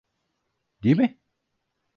Di mi?